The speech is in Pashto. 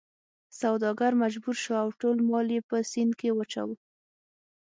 سوداګر مجبور شو او ټول مال یې په سیند کې واچاوه.